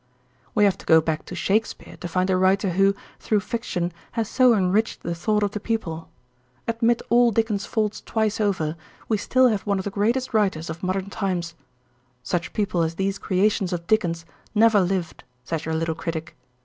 We have to go back to Shakespeare to find a writer who, through fiction, has so enriched the thought of the people. Admit all Dickens' faults twice over, we still have one of the greatest writers of modern times. Such people as these creations of Dickens never lived, says your little critic.